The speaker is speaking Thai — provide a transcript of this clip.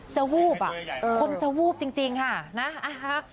วูบอ่ะคนจะวูบจริงค่ะนะ